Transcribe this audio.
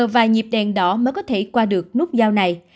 và nhịp đèn đỏ mới có thể qua được nút giao này